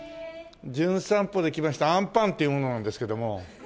『じゅん散歩』で来ましたあんパンっていう者なんですけども。